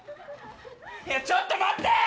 いやちょっと待って！